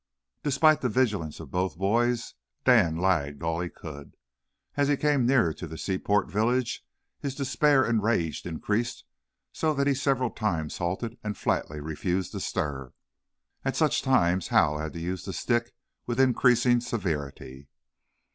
Despite the vigilance of both boys, Dan lagged all he could. As he came nearer to the seaport village his despair and rage increased so that he several times halted and flatly refused to stir. At such times Hal had to use the stick with increasing severity.